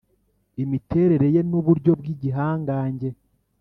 imiterere ye nuburyo bwigihangange,